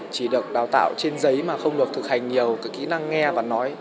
chỉ được đào tạo trên giấy mà không được thực hành nhiều kỹ năng nghe và nói